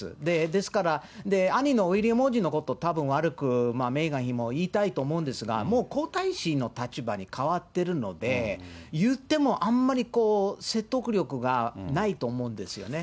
ですから、兄のウィリアム王子のこと、たぶん悪く、メーガン妃も言いたいと思うんですが、もう皇太子の立場に変わってるので、言ってもあんまり説得力がないと思うんですよね。